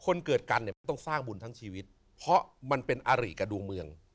คนเกิดกันเนี่ยมันต้องสร้างบุญทั้งชีวิตเพราะมันเป็นอาริกับดวงเมือง